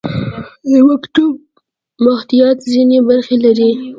د مکتوب محتویات ځینې برخې لري.